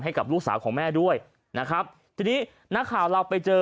ให้กับลูกสาวของแม่ด้วยนะครับทีนี้นักข่าวเราไปเจอ